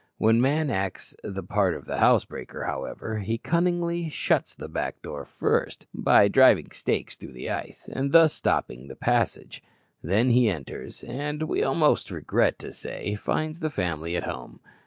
When man acts the part of housebreaker, however, he cunningly shuts the back door first, by driving stakes through the ice, and thus stopping the passage. Then he enters, and, we almost regret to say, finds the family at home.